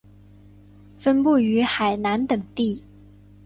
分布于海南等地。